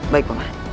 baik pak mah